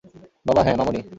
বাবা হ্যাঁ, মামুণি।